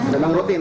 dan yang rutin